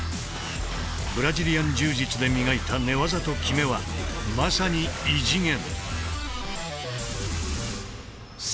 ブラジリアン柔術で磨いた寝技と極めはまさに異次元。